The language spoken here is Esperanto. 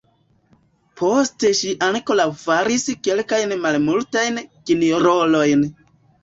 Poste ŝi ankoraŭ faris kelkajn malmultajn kinrolojn.